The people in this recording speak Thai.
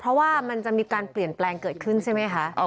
เพราะว่ามันจะมีการเปลี่ยนแปลงเกิดขึ้นใช่ไหมคะ